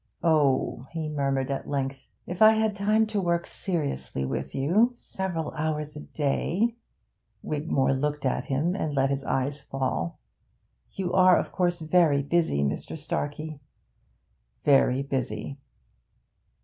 'Oh,' he murmured at length, 'if I had time to work seriously with you, several hours a day.' Wigmore looked at him, and let his eyes fall: 'You are, of course, very busy, Mr. Starkey!' 'Very busy.'